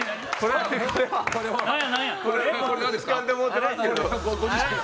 つかんでもうてますけど。